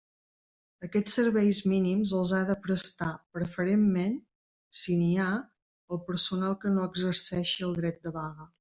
Aquests serveis mínims els ha de prestar, preferentment, si n'hi ha, el personal que no exerceixi el dret de vaga.